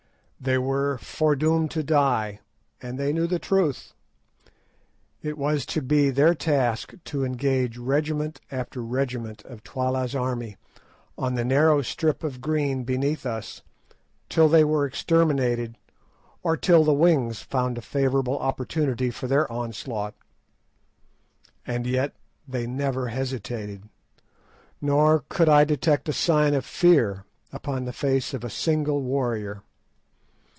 They were foredoomed to die, and they knew the truth. It was to be their task to engage regiment after regiment of Twala's army on the narrow strip of green beneath us, till they were exterminated or till the wings found a favourable opportunity for their onslaught. And yet they never hesitated, nor could I detect a sign of fear upon the face of a single warrior.